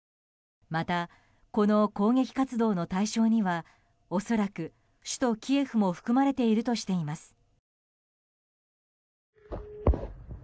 また、この攻撃活動の対象には恐らく首都キエフも含まれているとしています。